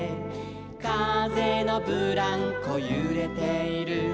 「かぜのブランコゆれている」